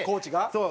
そう。